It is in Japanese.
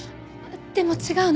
でも違うの。